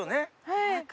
はい。